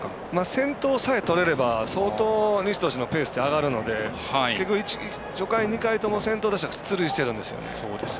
先頭さえとれれば相当、西投手のペースって上がるので、結局初回、２回とも先頭打者出塁してるんですよね。